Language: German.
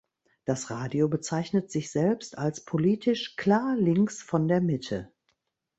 Das Radio bezeichnet sich selbst als politisch «klar links von der Mitte».